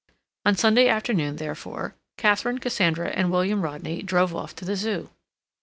On Sunday afternoon, therefore, Katharine, Cassandra, and William Rodney drove off to the Zoo.